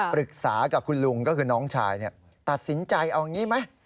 ปรึกษากับคุณลุงก็คือน้องชายตัดสินใจเอาอย่างนี้ไหม